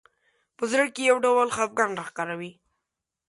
په زړه کې یو ډول خفګان راښکاره وي